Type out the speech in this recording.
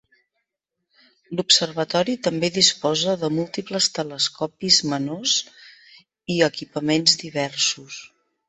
L'observatori també disposa de múltiples telescopis menors i equipaments diversos.